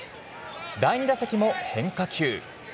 第２打席も変化球。